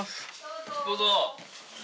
どうぞ。